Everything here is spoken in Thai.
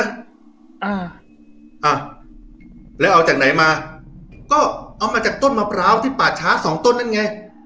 อ่าอ้าวแล้วเอาจากไหนมาก็เอามาจากต้นมะพร้าวที่ป่าช้าสองต้นนั่นไง